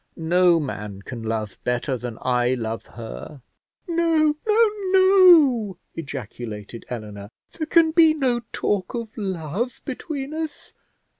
No man can love better than I love her." "No, no, no," ejaculated Eleanor; "there can be no talk of love between us.